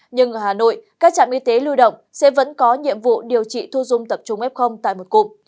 nhưng ở hà nội các trạm y tế lưu động sẽ vẫn có nhiệm vụ điều trị thu dung tập trung f tại một cụm